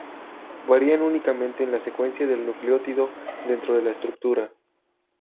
Varían únicamente en la secuencia del nucleótido dentro de la estructura.